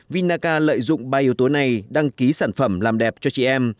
vinaca lợi dụng ba yếu tố này đăng ký sản phẩm làm đẹp cho chị em